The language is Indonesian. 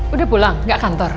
udah pulang gak kantor